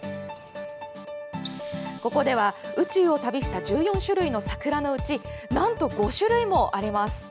ここでは、宇宙を旅した１４種類の桜のうちなんと５種類もあります。